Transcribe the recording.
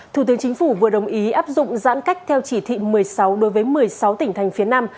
thủ tướng chính phủ vừa đồng ý áp dụng giãn cách theo chỉ thị một mươi sáu đối với một mươi sáu tỉnh thành phía nam